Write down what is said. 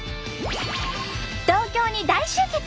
東京に大集結！